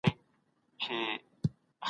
صنعتي توليدات بايد عادلانه وي.